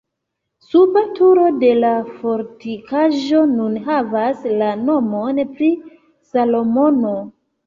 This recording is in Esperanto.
Suba turo de la fortikaĵo nun havas la nomon pri Salomono.